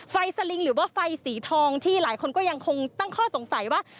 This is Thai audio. สลิงหรือว่าไฟสีทองที่หลายคนก็ยังคงตั้งข้อสงสัยว่า